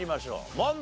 問題。